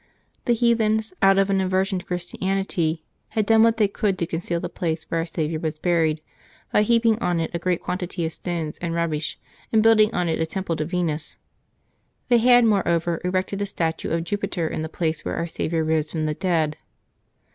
The heathens, out of an aversion to Christianity, had done what they could to conceal the place where Our Saviour was buried, by heap ing on it a great quantity of stones and rubbish, and building on it a temple to Venus. They had, moreover, erected a statue of Jupiter in the place where Our Saviour rose from the dead.